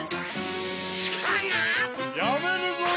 やめるぞよ！